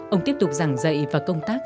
ông tiếp tục giảng dạy và công tác